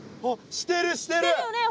してるしてる！